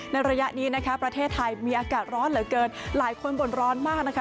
ระยะนี้นะคะประเทศไทยมีอากาศร้อนเหลือเกินหลายคนบ่นร้อนมากนะคะ